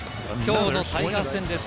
きょうのタイガース戦です。